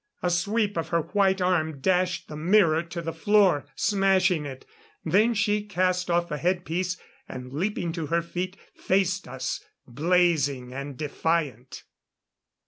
A sweep of her white arm dashed the mirror to the floor, smashing it. Then she cast off the head piece, and leaping to her feet, faced us, blazing and defiant.